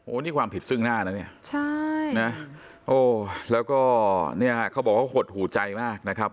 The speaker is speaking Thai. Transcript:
นี่ความผิดซึ่งหน้านะเนี่ยใช่นะโอ้แล้วก็เนี่ยเขาบอกว่าหดหูใจมากนะครับ